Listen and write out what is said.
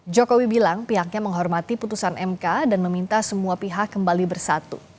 jokowi bilang pihaknya menghormati putusan mk dan meminta semua pihak kembali bersatu